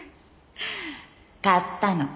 買ったの。